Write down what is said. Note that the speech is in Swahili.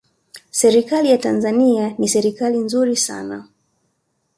serikali ya tanzania ni serikali nzuri sana